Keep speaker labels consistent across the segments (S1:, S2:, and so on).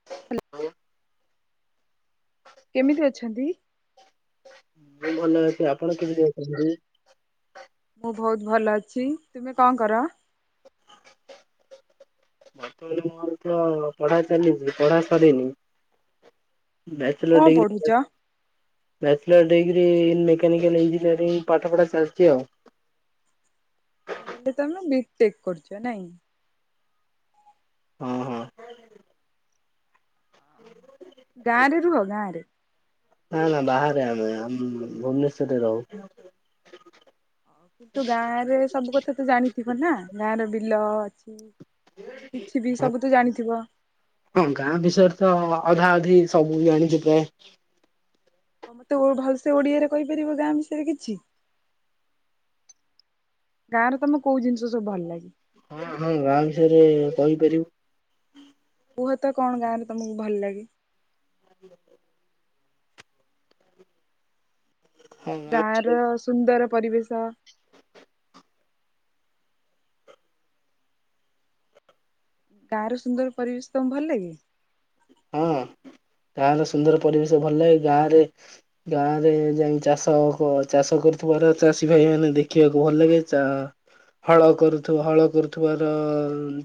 S1: [unintelligible]
S2: କେମିତି ଅଛନ୍ତି?
S1: ମୁଁ ଭଲ ଅଛି, ଆପଣ କେମିତି ଅଛନ୍ତି?
S2: ମୁଁ ବହୁତ ଭଲ ଅଛି, ତୁମେ କଣ କର?
S1: ବର୍ତ୍ତମାନ ମୋର ତ ପଢା ଚାଲିଛି, ପଢା ସରିନି। ବ୍ୟାଚଲର
S2: କଣ
S1: ଡିଗ୍ରୀ
S2: ପଢୁଛ?
S1: Bachelor degree in mechanical engineering ପାଠ ପଢ଼ା ଚାଲିଛି ଆଉ।
S2: ତାହେଲେ ତମେ ବି ଟେକ୍ କରୁଛ ନାଇଁ?
S1: ହଁ ହଁ।
S2: ଗାଁରେ ରୁହ ଗାଁରେ?
S1: ନାଁ ନାଁ ବାହାରେ ଆମେ, ଆମେ ଭୁବନେଶ୍ଵରରେ ରହୁ।
S2: କିନ୍ତୁ ଗାଁରେ ସବୁ କଥା ତ ଜାଣିଥିବ ନା, ଗାଁ ର ବିଲ ଅଛି? କିଛି ବି, ସବୁ ତ ଜାଣିଥିବ?
S1: ହଁ ଗାଁ ବିଷୟରେ ତ ଅଧାଅଧି ସବୁବି ଜାଣିଛି ପ୍ରାୟ
S2: ଆଉ ମତେ ଭଲସେ ଓଡିଆରେ କହିପାରିବ ଗାଁ ବିଷୟରେ କିଛି? ଗାଁରେ ତମକୁ କୋଉଁ ଜିନିଷ ସବୁ ଭଲ ଲାଗେ?
S1: ହଁ ହଁ, ଗାଁ ବିଷୟରେ କହିପାରିବି।
S2: କୁହତ କଣ ଗାଁରେ ତମକୁ ଭଲ ଲାଗେ?
S1: [unintelligible] ହଁ
S2: ଗାଁ
S1: ବିଷୟରେ
S2: ର ସୁନ୍ଦର ପରିବେଶ ଗାଁର ସୁନ୍ଦର ପରିବେଶ ତମକୁ ଭଲ ଲାଗେ?
S1: ହଁ ଗାଁ ର ସୁନ୍ଦର ପରିବେଶ ଭଲ ଲାଗେ, ଗାଁ ରେ? ଗାଁ ରେ ଯାଇ ଚାଷ ଚାଷ କରୁଥିବାର ଚାଷୀ ଭାଇ ମାନେ ଦେଖିବାକୁ ଭଲ ଲାଗେ ଚା ହଳ କରୁଥିବ ହଳ କରୁଥିବାର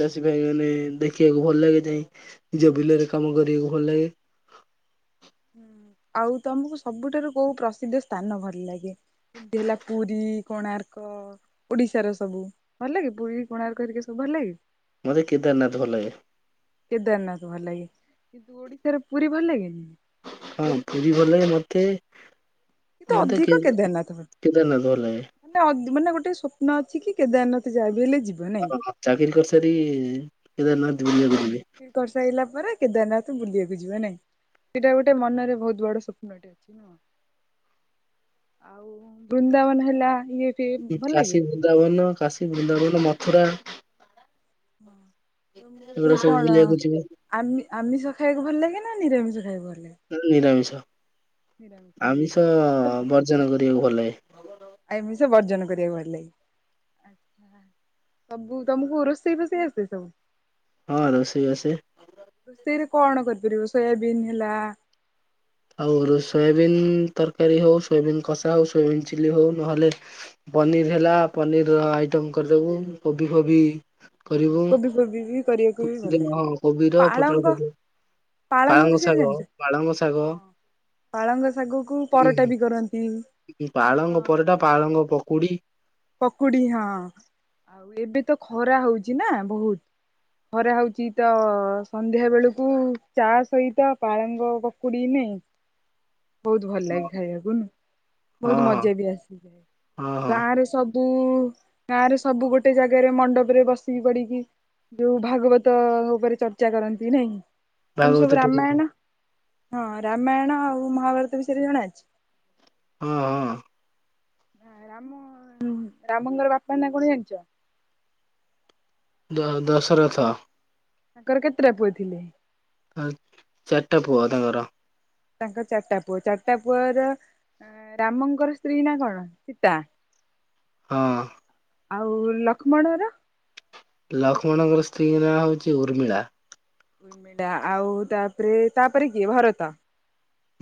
S1: ଚାଷୀ ଭାଇ ମାନେ ଦେଖିବାକୁ ଭଲ ଲାଗେ ଯାଇଁ ନିଜ ବିଲରେ କାମ କରିବାକୁ ଭଲ ଲାଗେ।
S2: ଆଉ ତମକୁ ସବୁଠାରୁ କୋଉ ପ୍ରସିଦ୍ଧ ସ୍ଥାନ ଭଲ ଲାଗେ? ଯେମିତି ହେଲା ପୁରୀ, କୋଣାର୍କ। ଓଡିଶାର ସବୁ, ଭଲ ଲାଗେ ପୁରୀ କୋଣାର୍କ ହେରିକା ସବୁ ଭଲ ଲାଗେ?
S1: ମୋତେ କେଦାରନାଥ ଭଲ ଲାଗେ।
S2: କେଦାରନାଥ ଭଲ ଲାଗେ, କିନ୍ତୁ ଓଡିଶାର ପୁରୀ ଭଲ ଲାଗେନି?
S1: ହଁ ପୁରୀ ଭଲ ଲାଗେ, ମତେ
S2: କିନ୍ତୁ
S1: ମତେ
S2: ଅଧିକ ଭଲ
S1: କେଦାରନାଥ ଭଲଲାଗେ।
S2: ଅ ମାନେ ଗୋଟେ ସ୍ୱପ୍ନ ଅଛି କି, କେଦାରନାଥ ଯାଆ ବି ହେଲେ ଯିବି।
S1: ଚାକିରି କରିସାରି କେବଳ ଜୁନରେ କରିବେ।
S2: କରିସାଇଲା ପରେ କେଦାରନାଥ ବୁଲିବାକୁ ଯିବ ନାଇଁ, ଏଇଟା ଗୋଟେ ମନରେ ବହୁତ ବଡ ସ୍ୱପ୍ନଟେ ଅଛି। ଆଉ ବୃନ୍ଦାବନ ହେଲା, ଇଏ ଫିଏ ଭଲ ଲାଗେ।
S1: କାଶୀ ବୃନ୍ଦାବନ, କାଶୀ ବୃନ୍ଦାବନ ମଥୁରା।
S2: ହଁ ତମକୁ
S1: ଏଗୁଡା ସବୁ
S2: କଣ
S1: ବୁଲିବାକୁ ଯିବା।
S2: ଆମି ଆମିଷ ଖାଇବାକୁ ଭଲ ଲାଗେ ନା, ନିରାମିଷ ଖାଇବା ଭଲ ଲାଗେ?
S1: ମୋର ନିରାମିଷ
S2: ନିରାମିଷ।
S1: ଆମିଷ ବର୍ଜନ କରିବାକୁ ଭଲଲାଗେ।
S2: ଆମିଷ ବର୍ଜନ କରିବାକୁ ଭଲ ଲାଗେ। ଆଚ୍ଛା। ସବୁ ତମକୁ ରୋଷେଇ ଫୋସେଇ ଆସେ ସବୁ?
S1: ହଁ ରୋଷେଇ ଆସେ।
S2: ରୋଷେଇରେ କଣ କରିପାରିବ ସୋୟାବିନ୍ ହେଲା
S1: ଆଉ ସୋୟାବିିନ୍ ତରକାରୀ ହଉ ସୋୟାବିନ୍ କଷା ହଉ ସୋୟାବିନ୍ ଚିଲିହଉ ନହେଲେ ପନିର୍ ହେଲା ପନିର୍ ର ଆଇଟମ୍ କରିଦବୁ କୋବି ଫୋବି କରିବୁ
S2: କୋବି ଫୋବି ବି କରିବାକୁ ବି ଭଲ
S1: ଦେନ୍
S2: ଲାଗିବ।
S1: ହଁ କୋବିର
S2: ପାଳଙ୍ଗ
S1: ପୋଟଳ ଭଜା ପାଳଙ୍ଗ
S2: ବିଷୟରେ
S1: ଶାଗ
S2: ଜାଣିଛ?
S1: ପାଳଙ୍ଗ
S2: ହଁ।
S1: ଶାଗ।
S2: ପାଳଙ୍ଗ ଶାଗକୁ ପରଟା ବି କରନ୍ତି।
S1: ଟିକେ ପାଳଙ୍ଗ ପରଟା ପାଳଙ୍ଗ ପକୁଡ଼ି
S2: ପକୁଡ଼ି ହଁ ଆଉ ଏବେତ ଖରା ହଉଚି ନା ବହୁତ୍। ଖରା ହଉଚି ତ ସନ୍ଧ୍ୟା ବେଳକୁ ଚା ସହିତ ପାଳଙ୍ଗ ପକୁଡ଼ି ନେଇ। [inaudible] ବହୁତ୍ ଭଲ
S1: ହଁ
S2: ଲାଗେ ଖାଇବାକୁନୁ
S1: ହଁ
S2: ବହୁତ୍ ମଜାବି
S1: ହଁ
S2: ଆସିଯାଏ
S1: ହଁ
S2: ଗାଁରେ ସବୁ ଗାଁରେ ସବୁ ଗୋଟେ ଜାଗାରେ ମଣ୍ଡପରେ ବସିକି ପଡ଼ିକି ଯୋଉ ଭାଗବତ ଉପରେ ଚର୍ଚ୍ଚା କରନ୍ତି ନାଇଁ। ତମେ ସବୁ
S1: ଭାଗବତ ଟୁ
S2: ରାମାୟଣ ହଁ ରାମାୟଣ ଆଉ ମହାଭାରତ ବିଷୟରେ ଜଣା ଅଛି?
S1: ହଁ ହଁ।
S2: ରାମ ରାମ ରାମଙ୍କର ବାପାନା କଣ ଜାଣିଚ?
S1: ଦ ଦଶରଥ।
S2: ତାଙ୍କର କେତେଟା ପୁଅଥିଲେ?
S1: ପା ଚାରିଟା ପୁ ତାଙ୍କର।
S2: ତାଙ୍କର ଚାରିଟା ପୁଅ ଚାରିଟା ପୁଅର ରାମଙ୍କର ସ୍ତ୍ରୀ ନା କଣ ସୀତା।
S1: ହଁ।
S2: ଆଉ ଲକ୍ଷ୍ମଣର?
S1: ଲକ୍ଷ୍ମଣଙ୍କର ସ୍ତ୍ରୀ ନାଁ ହଉଚି ଉର୍ମିଳା।
S2: ଡା ଆଉ ତାପରେ ତାପରେ କିଏ ଭରତ।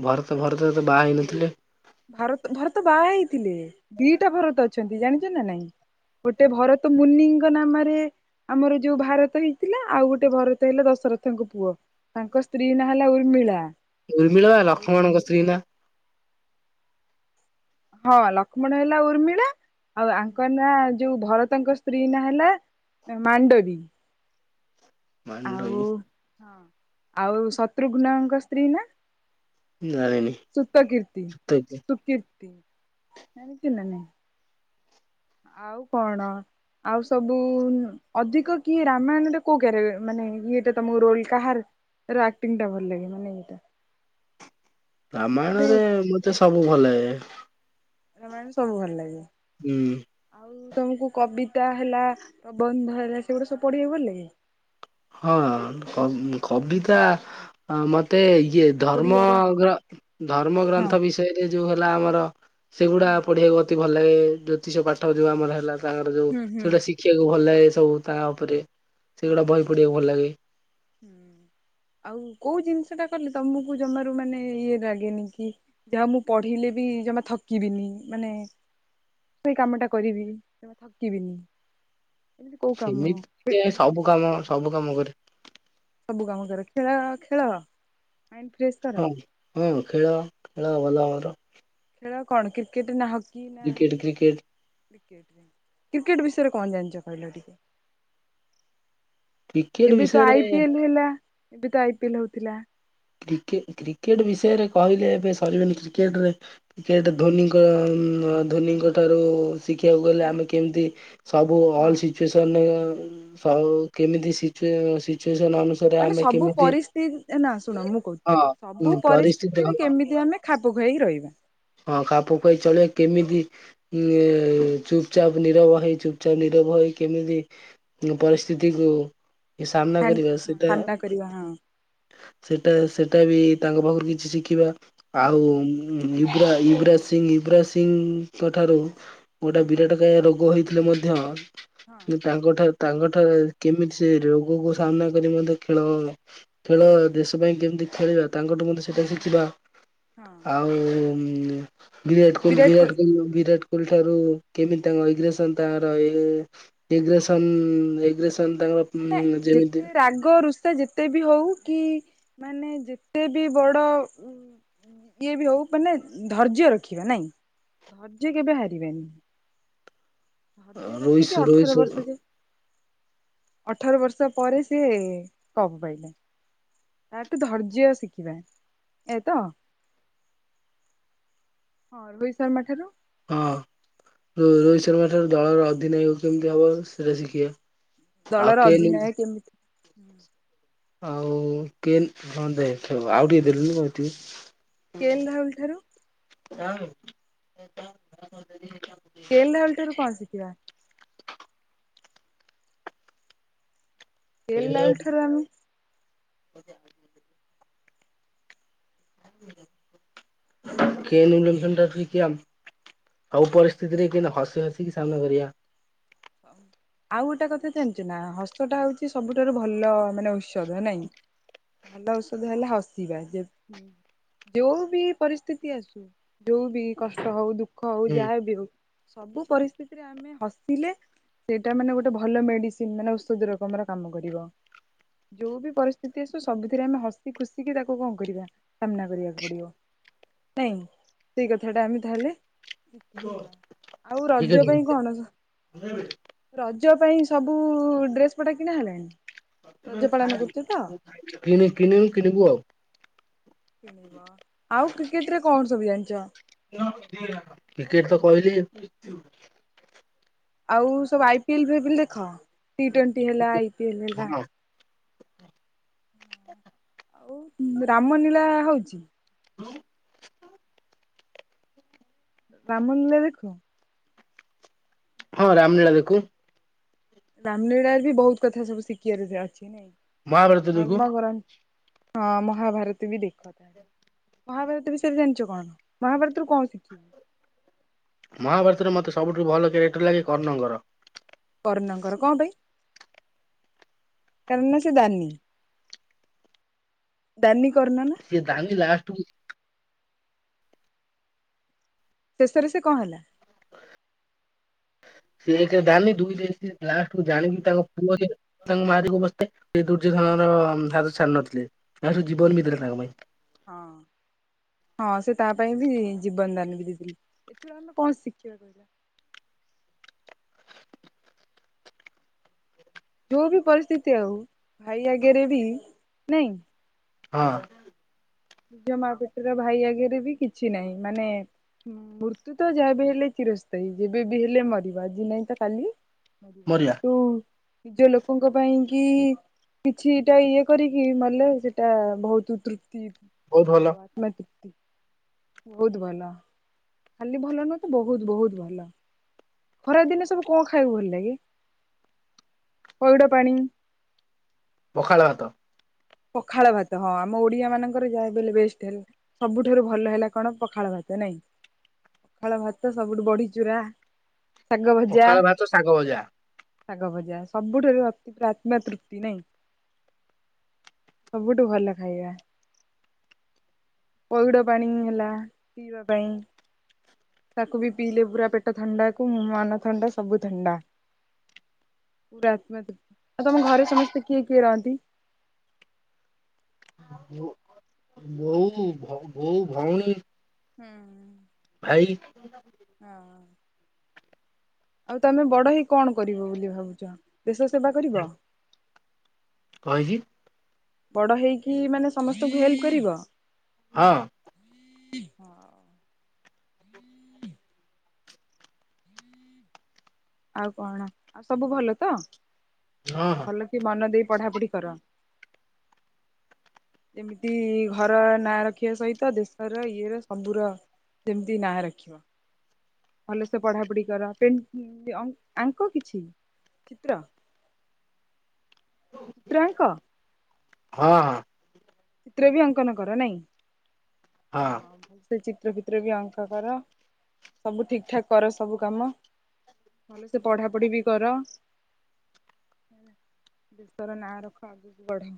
S1: ଭରତ ଭରତ ତ ବାହା ହେଇନଥିଲେ।
S2: ଭାରତ ଭରତ ବାହା ହେଇଥିଲେ ଦିଟା ଭରତ ଅଛନ୍ତି ଜାଣିଚ ନା ନାଇଁ? ଗୋଟେ ଭରତ ମୁନିଙ୍କ ନାମରେ ଆମର ଯୋଉ ଭାରତ ହେଇଥିଲା ଆଉ ଗୋଟେ ଭରତ ହେଲା ଦଶରଥଙ୍କ ପୁଅ। ତାଙ୍କ ସ୍ତ୍ରୀ ନା ହେଲା ଉର୍ମିଳା।
S1: ଉର୍ମିଳ ବା
S2: ଆଉ
S1: ଲକ୍ଷ୍ମଣଙ୍କ ସ୍ତ୍ରୀ ନା।
S2: ହଁ ଲକ୍ଷ୍ମଣ ହେଲା ଉର୍ମିଳା ଆଉ ଆଙ୍କନା ଯୋଉ ଭରତଙ୍କ ସ୍ତ୍ରୀ ନା ହେଲା ମାଣ୍ଡବୀ। ଆଉ
S1: ମାଣ୍ଡବୀ
S2: ଆଉ ଶତ୍ରୁଘ୍ନଙ୍କ ସ୍ତ୍ରୀ ନା?
S1: ଜାଣିନି
S2: ସୁତକୀର୍ତି
S1: ସତେକି
S2: ସୁକୀର୍ତି ଜାଣିଚୁନା ନାଇଁ। ଆଉ କଣ ଆଉ ସବୁ ଅଧିକ କିଏ ରାମାୟଣଟା କୋଉ କାରେ ମାନେ ଇଏଟା ତମ ରୋଲ କାହା ର ଆକ୍ଟିଂ ଟା ଭଲଲାଗେ ମାନେ ଏଇଟା?
S1: ରାମାୟଣରେ ମତେ ସବୁ ଭଲଲାଗେ।
S2: ରାମାୟଣ ସବୁ ଭଲଲାଗେ।
S1: ହୁଁ।
S2: ଆଉ ତମକୁ କବିତା ହେଲା ପ୍ରବନ୍ଧ ହେଲା ସେଗୁଡ଼ା ସବୁ ପଢ଼ିବାକୁ ଭଲଲାଗେ?
S1: ହଁ କ କବିତା ଅ ମତେ ଇଏ ଧର୍ମ
S2: ଓଡିଆର
S1: ଗ୍ର ଧର୍ମ
S2: ହଁ
S1: ଗ୍ରନ୍ଥ ବିଷୟରେ ଯୋଉ ହେଲା ଆମର ସେଗୁଡ଼ା
S2: ହୁଁ
S1: ପଢିବାକୁ ମ ତେ ଭଲ ଲାଗେ ଜ୍ୟୋତିଷ ପାଠ ଯୋଉ ଆମର ହେଲା ତାଙ୍କର ଯୋଉ
S2: ହୁଁ
S1: ସେଇଟା
S2: ହଁ
S1: ଶି ଦେଖିବାକୁ ଭଲ ଲାଗେ ସବୁ ତା ଉପରେ।
S2: ହଁ
S1: ସେଗୁଡା ବହି
S2: ହଁ
S1: ପଢିବାକୁ ଭଲ ଲାଗେ
S2: ହୁଁ। ଆଉ କୋଉ ଜିନିଷ ଟା କଲେ ତମକୁ ଜମାରୁ ମାନେ ଇଏ ଲାଗେନି କି? ଯାହା ମୁଁ ପଢିଲେ ବି ଜମା ଥକିବିନି ମାନେ। ସେଇ କାମ ଟା କରିବି ଜମା ଥକିବିନି। ଏମିତି କୋଉ କାମ
S1: ସେମିତି [inaudible] ସବୁ କାମ ସବୁ କାମ କରେ।
S2: ସବୁ କାମ କରେ ଖେଳ ଖେଳ ମାଇଣ୍ଡ ଫ୍ରେଶ।
S1: ହଁ
S2: କର
S1: ହଁ ଖେଳ ଖେଳ ଭଲ ଆମର।
S2: ଖେଳ କଣ କ୍ରିକେଟ ନା ହକି ନା?
S1: କ୍ରିକେଟ କ୍ରିକେଟ
S2: କ୍ରିକେଟ୍ ରେ କ୍ରିକେଟ ବିଷୟରେ କଣ ଜାଣିଛ କହିଲ ଟିକେ?
S1: କ୍ରିକେଟ
S2: ଏବେ ତ ଆଇ
S1: ବିଷୟରେ
S2: ପି ଏଲ ହେଲା ଏବେ ତ ଆଇ ପି ଏଲ ହଉଥିଲା।
S1: କ୍ରିକେ କ୍ରିକେଟ ବିଷୟରେ କହିଲେ ଏବେ ସରିବେନି କ୍ରିକେଟରେ। କ୍ରିକେଟ୍ ଧୋନିଙ୍କ ଉଁ ଧୋ-ଧୋନିଙ୍କ ଠାରୁ। ଶିଖିବାକୁ ଗଲେ
S2: ହଁ
S1: ଆମେ କେମିତି ସବୁ ଅଲ ସିଚୁଏସନ୍ ଉଁ ସବୁ କେମିତି ସିଚୁଏ ସିଚୁଏସନ ଅନୁ
S2: ମାନେ ସବୁ ପରିସ୍ଥି ନା ଶୁଣ ମୁଁ କହୁଛି ସବୁ
S1: ହଁ ପରିସ୍ଥିତି
S2: ପରିସ୍ଥିତିରେ କେମିତି ଆମେ। ଖାପ ଖୁଆଇ ରହିବା।
S1: ହଁ ଖାପ ଖୁଆଇ ଚଳିବା କେମିତି। ଉଁ ଏ ଚୁପଚାପ୍ ନିରବ ହେଇ ଚୁପ ଚାପ୍ ନିରବ ହେଇ କେମିତି। ଉଁ ପରିସ୍ଥିତିକୁ ଏ ସାମ୍ନା କରିବା ସେଟା।
S2: ସାମ୍ନା କରିବା ହଁ।
S1: ସେଟା ସେଟା ବି ତାଙ୍କ ପାଖରୁ କିଛି ଶିଖିବା ଆଉ ଉଁ। ୟୁବରା ୟୁବରାଜ ସିଂଘ ୟୁବରାଜ ସିଂଘଙ୍କ ଠାରୁ ଗୋଟେ ବିରାଟ କାୟ ରୋଗ ହେଇଥିଲେ ମଧ୍ୟ
S2: ହଁ
S1: କିନ୍ତୁ ତାଙ୍କଠା ତାଙ୍କଠା କେମିତି ସେ ରୋଗକୁ ସାମ୍ନା କରି ମଧ୍ୟ ଖେଳ। ଖେଳ ଦେଶ ପାଇଁ କେମିତି ଖେଳିବା ତାଙ୍କଠୁ ମତେ ସେଟା ଶିଖିବା ଆଉ ଉଁ ବିରାଟ କୋହଲି ବିରାଟ କୋହଲି ଉଁ ବିରାଟ କୋହଲି ଠାରୁ କେମିତି ତାଙ୍କ ଇଗ୍ରେସନ ତାଙ୍କର ଇଏ। ଟିଗ୍ରେସନ ଇଗ୍ରେସନ ତାଙ୍କ
S2: ମାନେ ଯେତେ ରାଗ ରୁଷ ସା ଯେତେ ବି ହଉ କି ମାନେ ଯେତେ ବି ବଡ ଉଁ। ଇଏ ବି ହଉ ମାନେ ଉଁ ଧର୍ଯ୍ୟ ରଖିବା ନାଇଁ ଧର୍ଯ୍ୟ କେବେ ହାରିବାନି। ଧର୍ଯ୍ୟ ରଖିକି
S1: ରୋହିତ ରୋହିତ
S2: ଅଠର
S1: ଶର୍ମା
S2: ବର୍ଷ ଯେ ଅଠର ବର୍ଷ ପରେ ସିଏ କପ ପାଇଲେ। ତାଠୁ ଧର୍ଯ୍ୟ ଶିଖିବା ଏଇଆ ତ। ହଁ ରୋହିତ ଶର୍ମା ଠାରୁ।
S1: ହଁ ରୋ-ରୋହିତ ଶର୍ମା ଠାରୁ ଦଳର ଅଧିନାୟକ କେମିତି ହବ ସେଇଟା ଶିଖିବା। ଆଉ
S2: ଦଳର
S1: କେନ୍
S2: ଅଧିନାୟକ କେମିତି ହୁଁ।
S1: ଆଉ କେନ ହଁ ଦେଖେବା ଆଉ ଟିକେ ଦେଲୁନି କଣ ଏତିକି।
S2: କେ ଏଲ ରାହୁଲ ଠାରୁ।
S1: ରାହୁଲୁ।
S2: କେ ଏଲ ରାହୁଲ ଠାରୁ କଣ ଶିଖିବା? କେ ଏଲ ରାହୁଲ
S1: କେନ୍
S2: ଠାରୁ ଆମ
S1: [unintelligible] କେ ଏଲ ୱିଲିୟମସନ୍ ଠାରୁ ଶିଖିବା ଆମ ସବୁ ପରିସ୍ଥିତିରେ କେମିତି ହସି ହସିକି ସାମ୍ନା କରିବା।
S2: ଅମ ଆଉ ଗୋଟେ କଥା ଜାଣିଚୁ ନା ହସଟା ହଉଛି ସବୁଠାରୁ ଭଲ ମାନେ ଉସ ଔଷଧ ନାଇଁ ଭଲ ଔଷଧ ହେଲା ହସିବା ଯେ ହୁଁ। ଯୋଉ ବି ପରିସ୍ଥିତି ଆସୁ ଯୋଉ ବି କଷ୍ଟ ହଉ ଦୁ ଖ ହଉ
S1: ହୁଁ
S2: ଯାହାବି ହଉ ସବୁ ପରିସ୍ଥିତିରେ ଆମେ ହସିଲେ। ସେଇଟା ମାନେ ଗୋଟେ ଭଲ ମେଡିସିନ୍ ମାନେ ଔଷଧ ରକମର କାମ କରିବ। ଯୋଉ ବି ପରିସ୍ଥିତି ଆସୁ ସବୁଥିରେ ଆମେ ହସି ଖୁସିିକି ତାକୁ କଣ କରିବା ସାମ୍ନା କରିବାକୁ ପଡିବ ନାଇଁ ସେଇ କଥାଟା ଆମେ ତାହେଲେ ଶିଖିଯିବା ଆଉ
S1: ଠିକ୍ ଅଛି
S2: ରଜ ପାଇଁ କଣ
S1: [unintelligible]
S2: ରଜ ପାଇଁ ସବୁ ଡ୍ରେସ୍ ପଟା କିଣା ହେଲାଣି? ରଜ ପାଳନ କରୁଛ ତ?
S1: [unintelligible] କିଣି କିଣିନି କିଣିବୁ ଆଉ।
S2: କିଣିବ ଆଉ କ୍ରିକେଟରେ କଣ ସବୁ ଜାଣିଚ?
S1: [unintelligible] କ୍ରିକେଟ୍ ତ କହିଲି।
S2: ଆଉ ସବୁ ଆଇ ପି ଏଲ୍ ଫାଇ ପିଲ୍ ଦେଖ ଟି ଟ୍ୱାଣ୍ଟି ହେଲା ଆଇ ପି ଏଲ୍ ହେଲା।
S1: ହଁ [unintelligible]
S2: ଆଉ ରାମ ନିଳା ହଉଚି?
S1: [unintelligible]
S2: ରାମ ନୀଳା ଦେଖ
S1: ହଁ ରାମ ଲୀଳା ଦେଖୁ।
S2: ରାମ ଲୀଳାରୁ ବି ବହୁତ କଥା ସବୁ ଶିଖିବାର ବି ଅଛି ନାଇଁ
S1: ମହାଭାରତ ଦେଖୁ
S2: ଧର୍ମ ଗ୍ରନ୍ ହଁ ମହାଭାରତ ବି ଦେଖ ତାହେଲେ ମହାଭାରତ ବିଷୟରେ ଜାଣିଚ କଣ? ମହାଭାରତରୁୁ କଣ ଶିଖିବ?
S1: ମହାଭାରତରେ ମତେ ସବୁଠୁ ଭଲ କ୍ୟାରେକ୍ଟର ଲାଗେ କର୍ଣ୍ଣଙ୍କର।
S2: କର୍ଣ୍ଣଙ୍କର କଣ ପାଇଁ କାରଣ ସେ ଦାନି। ଦାନି କର୍ଣ୍ଣ ନା?
S1: ସେ ଦାନି ଲାଷ୍ଟକୁ
S2: ଶେଷରେ ସେ କଣ ହେଲା?
S1: ସିଏ ଏକେ ଦାନି ଦୁଇରେ ସେ ଲାଷ୍ଟକୁୁ ଜାଣିକି ତାଙ୍କ ପୁଅ [unintelligible] ତାଙ୍କ ମାରିଆକୁ ବସିଥି ତେ
S2: ହଁ
S1: ଦୁର୍ଯ୍ୟଧନର ହାତ ଛାଡି ନଥିଲେ ଲାଷ୍ଟକୁ ଜୀବନ ବି ଦେଲେ ତାଙ୍କ ପାଇଁ।
S2: ହଁ ହଁ ସେ ତା ପାଇଁ ବି ଜୀବନ ଦାନ ବି ଦେଇଥିଲି। ଏଥିରୁ ଆମେ କଣ ଶିଖିବା କହିଲ? ଯୋଉ ବି ପରିସ୍ଥିତି ଆଉ ଭାଇ ଆଗେରେ ବି ନାଇଁ
S1: ହଁ।
S2: ନିଜ ମା ପେଟର ଭାଇ ଆଗେରେ ବି କିଛି ନାଇଁ ମାନେ ଉଁ ମୃତ୍ୟୁ ତ ଯାହାବି ହେଲେ ଚିରସ୍ଥାୟୀ ଯେବେ ବି ହେଲେ ମରିବା ଆଜି ନାଇଁ ତ କାଲି ମରିବ
S1: ମରିବା
S2: କିନ୍ତୁ ନିଜ ଲୋକଙ୍କ ପାଇଁ କି କିଛିଇଟା ଇଏ କରିକି ମଲେ ସେଟା ବହୁତ ତୃପ୍ତି ଏ
S1: ବହୁତ ଭଲ
S2: ହବାର। ମା ତୃପ୍ତି ବହୁତ୍ ଭଲ ଖାଲି ଭଲ ନୁହଁ ତ ବହୁତ୍ ବହୁତ୍ ଭଲ। ଖରା ଦିନେ ସବୁ କଂ ଖାଇଆକୁ ଭଲ ଲାଗେ ପଇଡ଼ ପାଣି।
S1: ପଖାଳ ଭାତ।
S2: ପଖାଳ ଭାତ ହଁ ଆମ ଓଡିଆ ମାନଙ୍କର ଯାହା ବି ହେଲେ ବେଷ୍ଟ୍ ହେଲ୍ ସବୁଠାରୁ ଭଲ ହେଲା କଣ ପଖାଳ ଭାତ ନାଇଁ? ଖାଳ ଭାତ ସବୁଠୁ ବଢିଚୁରା ଶାଗ ଭଜା
S1: ପଖାଳ ଭାତ ଭଜା।
S2: ଶାଗ ଭଜା ସବୁଠାରୁ ଅତି ପୂରା ଆତ୍ମା ତୃପ୍ତି ନାଇଁ? ସବୁଠୁ ଭଲ ଖାଇବା। ପଇଡ଼ ପାଣି ହେଲା ପିଇବା ପାଇଁ। ତାକୁ ବି ପିଇଲେ ପୁରା ପେଟ ଥଣ୍ଡା କୁ ମାନ ଥଣ୍ଡା ସବୁ ଥଣ୍ଡା। ପୂରା ଆତ୍ମା ତୃପ୍ତି ଆଉ ତମ ଘରେ ସମସ୍ତେ କିଏ କିଏ ରହନ୍ତି?
S1: ମୁଁ ମୁଁ ଭଉ ବୋଉ ଭଉଣୀ
S2: ହୁଁ ହୁଁ।
S1: ଭାଇ
S2: ହୁଁ ହୁଁ। ଆଉ ତମେ ବଡ ହେଇ କଣ କରିବ ବୋଲି ଭାବୁଚ ଦେଶ ସେବା କରିବ?
S1: କଂ ହେଇଚି?
S2: ବଡ ହେଇକି ମାନେ ସମସ୍ତଙ୍କୁ ହେଲ୍ପ କରିବ
S1: ହଁ
S2: ହଁ ହୁଁ ଆଉ କଣ ଆଉ ସବୁ ଭଲ ତ
S1: ହଁ
S2: ଭଲ ମନ ଦେଇ ପଢାପଢ଼ି କର ଯେମିତି ଘର ନାଁ ରଖିବା ସହିତ ଦେଶର ଇଏ ର ସବୁର ସେମତି ନାଁ ରଖିବା ଭଲସ ପଢା ପଢି କର ଆଙ୍କ କିଛି ଚିତ୍ର ତୟଙ୍କ
S1: ହଁ ହଁ
S2: ଚିତ୍ର ବି ଅଙ୍କନ କର ନାଇଁ
S1: ହଁ।
S2: ସେ ଚିତ୍ର ଭିତ୍ର ବି ଅଙ୍କ କର ସବୁ ଠିକ୍ ଠାକ୍ କର ସବୁ କାମ ଭଲ ସେ ପଢା ପଢି ବି କର ହେ ଦେଶର ନାଁ ରଖ ଆଗକୁ ବଢ